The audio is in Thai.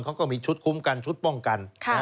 เขาก็มีชุดคุ้มกันชุดป้องกัน